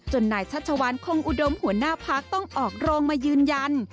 นายชัชวัลคงอุดมหัวหน้าพักต้องออกโรงมายืนยัน